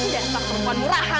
dan seorang perempuan murahan